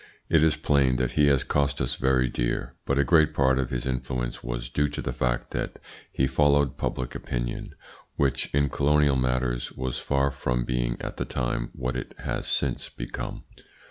It is plain that he has cost us very dear; but a great part of his influence was due to the fact that he followed public opinion, which, in colonial matters, was far from being at the time what it has since become.